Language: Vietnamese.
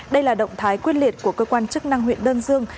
đây là động thái quyết liệt của cơ quan chức năng huyện đơn dương